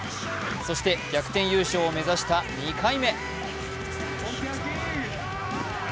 そして逆転優勝を目指した２回目。